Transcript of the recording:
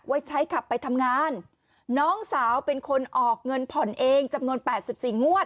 ไว้ใช้ขับไปทำงานน้องสาวเป็นคนออกเงินผ่อนเองจำนวน๘๔งวด